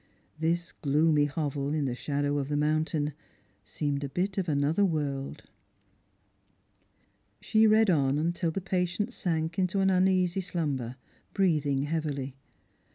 This gloomy hovel in the shadow of the moun tain seemed a bit of another world. She read on till the patient sank into an uneasy slumber, breathing heavily.